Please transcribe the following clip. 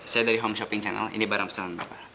saya dari home shopping channel ini barang pesan bapak